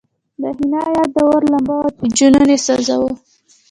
د حنا یاد د اور لمبه وه چې جون یې سوځاوه